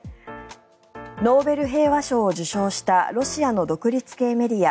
ノーベル平和賞を受賞したロシアの独立系メディア